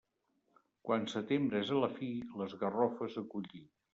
Quan setembre és a la fi, les garrofes a collir.